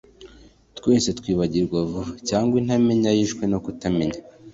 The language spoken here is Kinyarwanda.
twese twibagirwa vuba, cyangwa intamenya yishwe no kutamenya